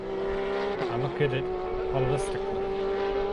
I look at it holistically.